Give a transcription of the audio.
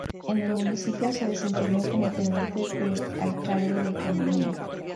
En el municipio se desempeñó como Teniente de alcalde de economía.